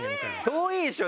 遠いでしょ